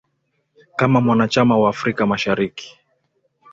kama mwanachama wa afrika mashariki